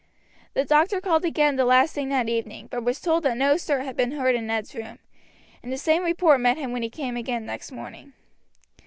The doctor called again the last thing that evening, but was told that no stir had been heard in Ned's room, and the same report met him when he came again next morning.